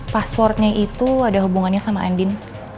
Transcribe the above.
passwordnya itu ada hubungannya sama andin